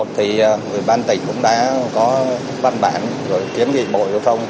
thì quỹ văn tỉnh cũng đã có văn bản rồi kiến nghị bộ giao thông